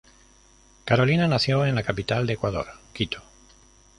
Carolina nació en la capital de Ecuador, Quito.